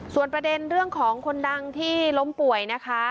ส่วนประเด็นเรื่องของคนดังที่ล้มป่วยนะคะ